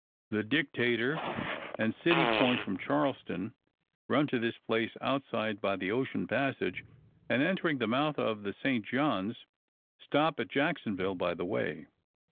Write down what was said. "The Dictator" and "City Point," from Charleston, run to this place outside by the ocean passage, and, entering the mouth of the St. John's, stop at Jacksonville by the way.